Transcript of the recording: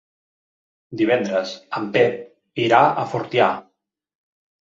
Divendres en Pep irà a Fortià.